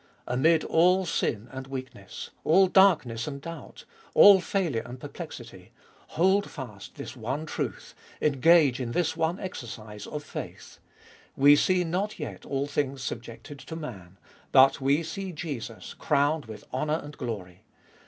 Amid all sin and weakness, all darkness and doubt, all failure and perplexity, hold fast this one truth, engage in this one exercise of faith : We see not yet all things subjected to man, but we see Jesus crowned with honour and glory.